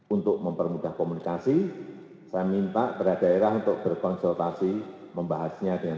untuk mempermudah komunikasi saya minta kepada daerah untuk berkonsultasi membahasnya dengan